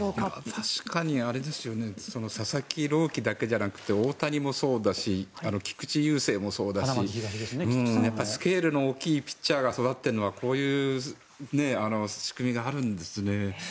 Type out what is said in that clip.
確かに佐々木朗希だけじゃなくて大谷もそうだし菊池雄星もそうだしスケールの大きいピッチャーが育っているのはこういう仕組みがあるんですね。